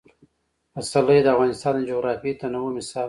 پسرلی د افغانستان د جغرافیوي تنوع مثال دی.